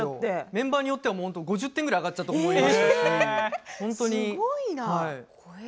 メンバーによっては５０点くらい上がった子もいました。